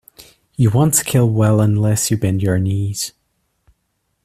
You won't ski well unless you bend your knees